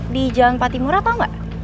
di jalan patimura tau gak